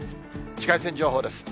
紫外線情報です。